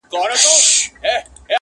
o ضميرونه لا هم بې قراره دي,